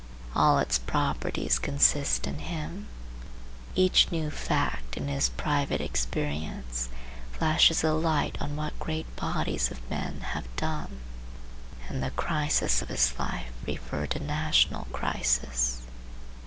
All its properties consist in him. Each new fact in his private experience flashes a light on what great bodies of men have done, and the crises of his life refer to national crises.